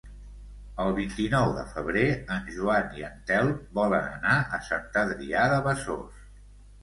El vint-i-nou de febrer en Joan i en Telm volen anar a Sant Adrià de Besòs.